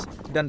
dan di sini